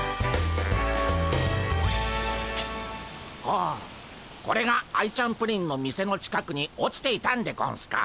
ほうこれがアイちゃんプリンの店の近くに落ちていたんでゴンスか。